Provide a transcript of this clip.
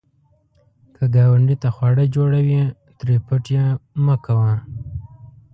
که ګاونډي ته خواړه جوړوې، ترې پټ یې مه کوه